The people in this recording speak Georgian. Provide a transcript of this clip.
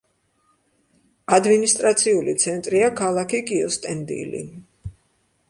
ადმინისტრაციული ცენტრია ქალაქი კიუსტენდილი.